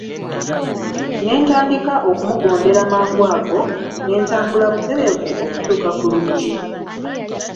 Ne ntandika okumugondera mangu ago, ne ntambula butereevu okutuuka ku luggi.